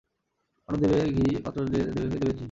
অন্ন দেখে দেবে ঘি, পাত্র দেখে দেবে ঝি।